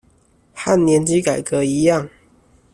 和年金改革一樣